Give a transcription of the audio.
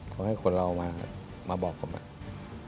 เขาให้คุณเรามาบอกผมครับ